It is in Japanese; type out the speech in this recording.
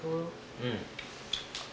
うん。